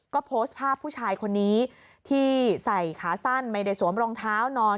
ก็โพสต์ภาพผู้ชายคนนี้ที่ใส่ขาสั้นไม่ได้สวมรองเท้านอน